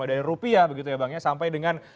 dari rupiah begitu ya bangnya sampai dengan